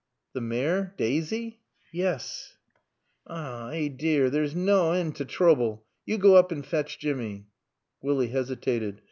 "T' mare, Daasy?" "Yes." "Eh dear, there's naw end to trooble. Yo go oop and fatch Jimmy." Willie hesitated.